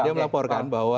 dia melaporkan bahwa